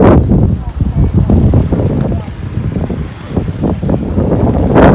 สวัสดีครับ